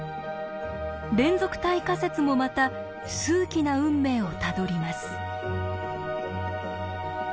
連続体仮説もまた数奇な運命をたどります。